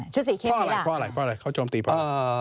ชุดสีเข้มนี้ล่ะ